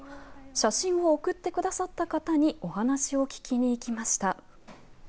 写真を送ってくださった方にお話を聞きに行きました。